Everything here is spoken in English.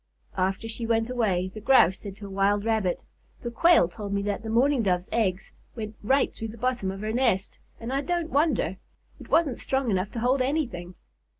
After she went away, the Grouse said to a wild Rabbit: "The Quail told me that the Mourning Dove's eggs went right through the bottom of her nest, and I don't wonder. It wasn't strong enough to hold anything."